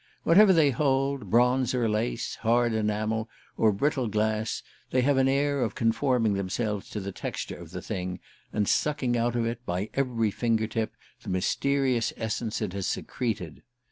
Whatever they hold bronze or lace, hard enamel or brittle glass they have an air of conforming themselves to the texture of the thing, and sucking out of it, by every finger tip, the mysterious essence it has secreted.